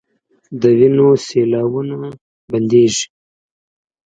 د وينو سېلاوو نه بنديږي